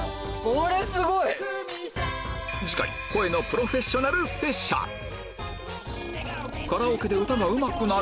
これすごい！次回声のプロフェショナルスペシャルカラオケで歌がうまくなる？